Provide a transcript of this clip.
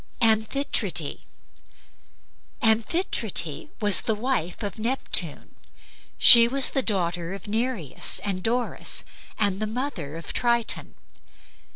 AMPHITRITE Amphitrite was the wife of Neptune. She was the daughter of Nereus and Doris, and the mother of Triton.